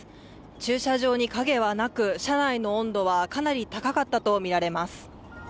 駐車場に陰はなく、車内の温度はかなり高かったとみられます。